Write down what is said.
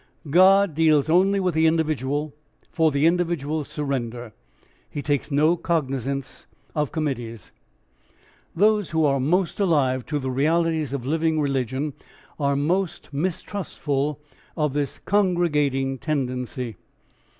God deals only with the individual for the individual's surrender. He takes no cognisance of committees. Those who are most alive to the realities of living religion are most mistrustful of this congregating tendency.